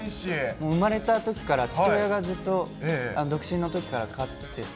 もう生まれたときから、父親がずっと独身のときから飼ってて。